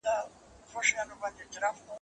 مور او پلار چي زاړه سي، تر شکرو لا خواږه سي.